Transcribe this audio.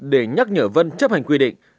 để nhắc nhở vân chấp hành quy định